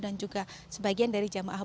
dan juga sebagian dari jemaah